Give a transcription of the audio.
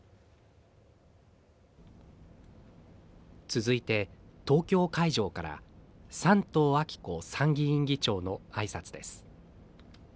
続いて、東京会場から山東昭子参議院議長の挨拶です。